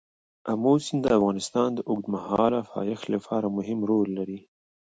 آمو سیند د افغانستان د اوږدمهاله پایښت لپاره مهم رول لري.